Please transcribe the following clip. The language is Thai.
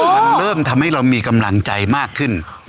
มันเริ่มทำให้เรามีกำลังใจมากขึ้น